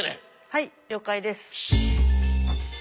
はい了解です。